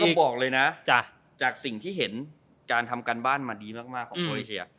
บอกเลยนะจากสิ่งที่เห็นการทำการบ้านมาดีมากของโซเอเชีย